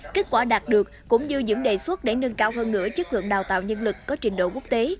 kết quả đạt được cũng như những đề xuất để nâng cao hơn nữa chất lượng đào tạo nhân lực có trình độ quốc tế